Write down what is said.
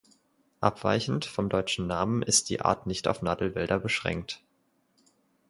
Abweichend vom deutschen Namen ist die Art nicht auf Nadelwälder beschränkt.